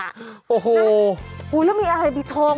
เก็บให้ไกลมือเด็กไว้ก่อน